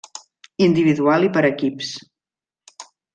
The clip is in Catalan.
Individual i Per equips.